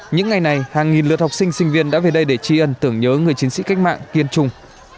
những ngày này hàng nghìn lượt học sinh sinh viên đã về đây để chi ẩn tưởng nhớ người chiến sĩ cách mạng kiên trùng